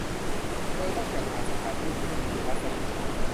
โดยต้องจัดหาสถานที่ทิ้งดินในรัศมี